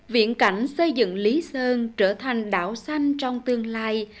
viện cảnh xây dựng lý sơn trở thành đảo xanh trong tương lai